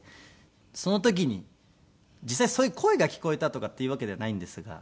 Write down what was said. その時に実際そういう声が聞こえたとかっていうわけではないんですが。